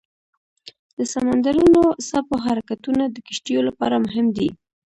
د سمندرونو څپو حرکتونه د کشتیو لپاره مهم دي.